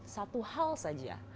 satu hal saja